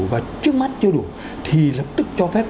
và trước mắt chưa đủ thì lập tức cho phép